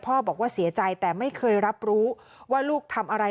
บอกว่าเสียใจแต่ไม่เคยรับรู้ว่าลูกทำอะไร